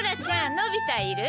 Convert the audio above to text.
のび太いる？